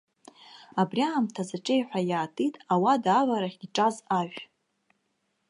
Абри аамҭаз аҿеҩҳәа иаатит ауада аварахь иҿаз ашә.